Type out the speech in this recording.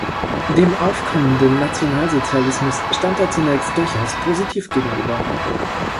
Dem aufkommenden Nationalsozialismus stand er zunächst durchaus positiv gegenüber.